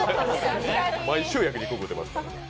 毎週、焼肉食うてますから。